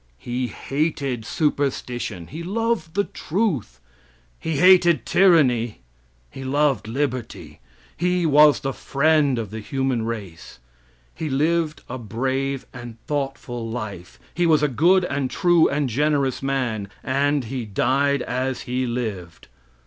He hated superstition; he loved the truth. He hated tyranny; he loved liberty. He was the friend of the human race. He lived a brave and thoughtful life. He was a good and true and generous man, and "he died as he lived."